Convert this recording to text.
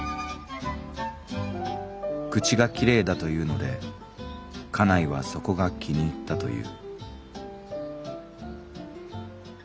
「口がきれいだというので家内はそこが気に入ったという」。